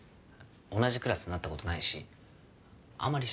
同じクラスになった事ないしあんまり知らない人。